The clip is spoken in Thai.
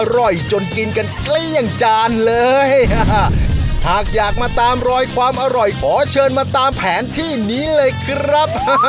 อร่อยจนกินกันเกลี้ยงจานเลยหากอยากมาตามรอยความอร่อยขอเชิญมาตามแผนที่นี้เลยครับ